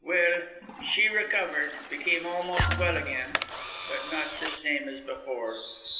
Well, she recovered, became almost well again, but not the same as before.